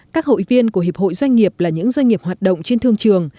các hội viên của hiệp hội doanh nghiệp là những doanh nghiệp hoạt động trên thương trường